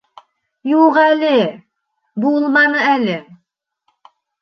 — Юҡ әле, булманы әле...